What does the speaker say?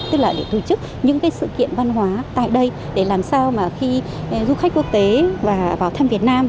tức là để tổ chức những cái sự kiện văn hóa tại đây để làm sao mà khi du khách quốc tế và vào thăm việt nam